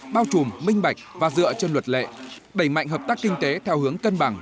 bao trùm minh bạch và dựa trên luật lệ đẩy mạnh hợp tác kinh tế theo hướng cân bằng